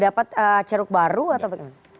dapat ceruk baru atau bagaimana